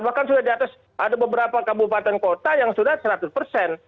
bahkan sudah di atas ada beberapa kabupaten kota yang sudah seratus persen